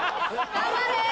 頑張れ！